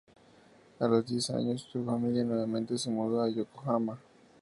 A los diez años, su familia nuevamente se mudó a Yokohama.